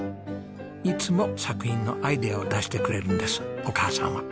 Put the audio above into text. いつも作品のアイデアを出してくれるんですお母さんは。